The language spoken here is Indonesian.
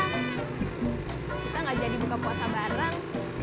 kita gak jadi buka puasa bareng